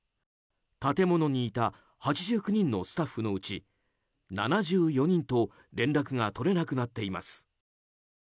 建物にいた８９人のスタッフのうち７４人と連絡が取れなくなっています。